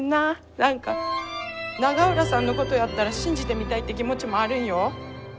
何か永浦さんのことやったら信じてみたいって気持ちもあるんよ。